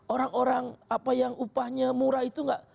orang orang apa yang upahnya murah itu nggak